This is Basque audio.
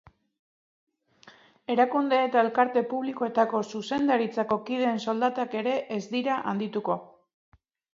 Erakunde eta elkarte publikoetako zuzendaritzako kideen soldatak ere ez dira handituko.